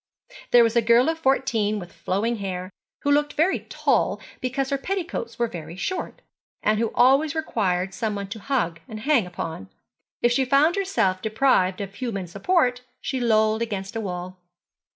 There was a girl of fourteen with flowing hair, who looked very tall because her petticoats were very short, and who always required some one to hug and hang upon. If she found herself deprived of human support she lolled against a wall.